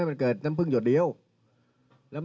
ตอนนี้โซฟลี่เรียงหวาด